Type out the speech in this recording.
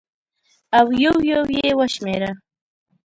او یو یو یې وشمېره